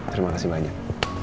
terima kasih banyak